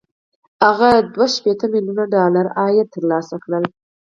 هغه دوه شپېته ميليونه ډالر عاید ترلاسه کړ